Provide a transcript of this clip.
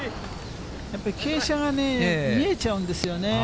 やっぱり傾斜がね、見えちゃうんですよね。